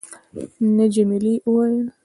نه. جميلې وويل:.